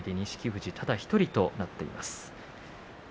富士ただ１人となっています。